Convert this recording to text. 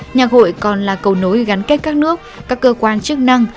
nhà khội còn là cầu nối gắn kết các nước các cơ quan chức năng